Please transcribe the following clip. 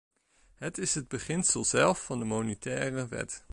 Het is het beginsel zelf van de monetaire wet.